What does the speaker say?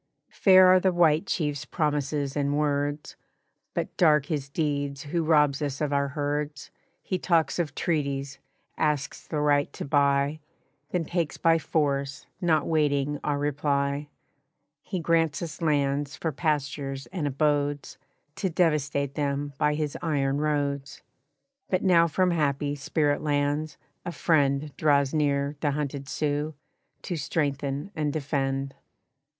"Fair are the White Chief's promises and words, But dark his deeds who robs us of our herds. He talks of treaties, asks the right to buy, Then takes by force, not waiting our reply. He grants us lands for pastures and abodes To devastate them by his iron roads. But now from happy Spirit Lands, a friend Draws near the hunted Sioux, to strengthen and defend.